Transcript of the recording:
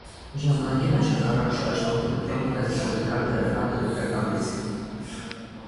Ժամանակի մեջ հակառակ շարժվող էլեկտրոնը պետք է ունենար դրական էլեկտրական լիցք։